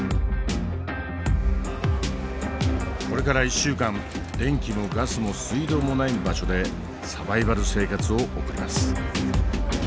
これから１週間電気もガスも水道もない場所でサバイバル生活を送ります。